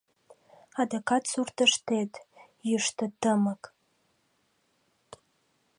Адакат суртыштет — йӱштӧ тымык.